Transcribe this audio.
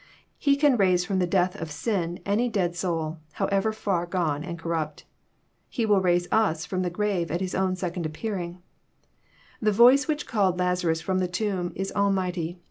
He can raise from the death of sin any dead soul, however far gone and corrupt. He will raise us from the grave at His own second appearing. The voice which culled Lazarus ftom the tomb is almighty.